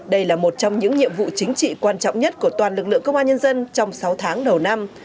đây là một trong những nhiệm vụ chính trị quan trọng nhất của toàn lực lượng công an nhân dân trong sáu tháng đầu năm